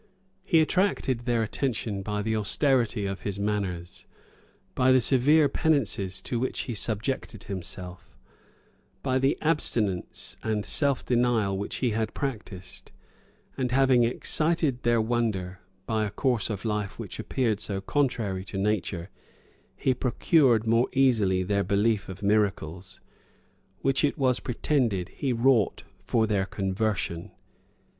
He attracted their attention by the austerity of his manners, by the severe penances to which he subjected himself, by the abstinence find self denial which he practised; and having excited then wonder by a course of life which appeared so contrary to nature, he procured more easily their belief of miracles, which, it was pretended, he wrought for their conversion.